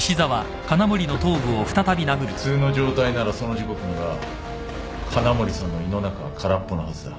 普通の状態ならその時刻には金森さんの胃の中は空っぽのはずだ。